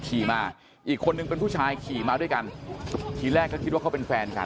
ขี่มาอีกคนนึงเป็นผู้ชายขี่มาด้วยกันทีแรกก็คิดว่าเขาเป็นแฟนกัน